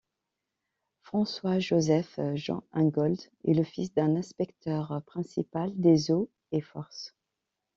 François Joseph Jean Ingold est le fils d'un inspecteur principal des eaux et forces.